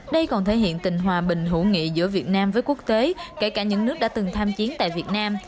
đây còn thể hiện tình hòa bình hữu nghị giữa việt nam với quốc tế kể cả những nước đã từng tham chiến tại việt nam